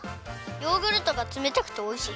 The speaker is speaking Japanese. ヨーグルトがつめたくておいしい。